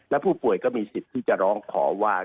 และผู้ป่วยก็มีสิทธิ์ที่จะร้องขอว่า